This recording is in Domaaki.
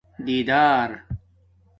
دیدار